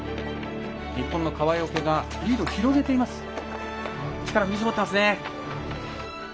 日本の川除がリードを広げています。